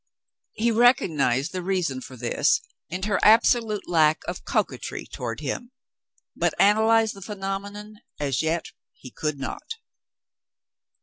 He recognized the reason for this in her absolute lack of coquetry toward him, but analyze the phenomenon, as yet, he could not.